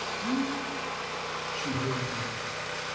"You " She hesitated.